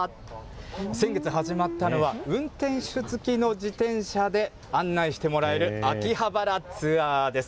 先月始まったのは、運転手つきの自転車で案内してもらえる、秋葉原ツアーです。